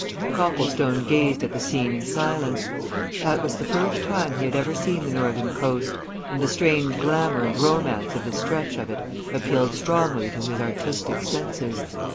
Copplestone gazed at the scene in silence. That was the first time he had ever seen the Northern coast, and the strange glamour and romance of this stretch of it appealed strongly to his artistic senses.